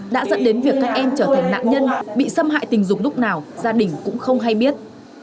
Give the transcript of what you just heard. đã dẫn đến việc các em trở thành nạn nhân bị xâm hại tình dục lúc nào gia đình cũng không hay biết